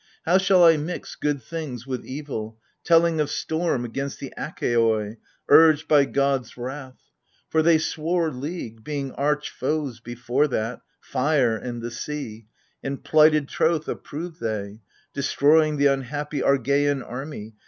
... How shall I mix good things with evil, telling Of storm against the Achaioi, urged by gods' wrath ? For they swore league, being arch foes before that, Fire and th^ sea : and plighted troth approved they, Destroying the unhappy Argeian army.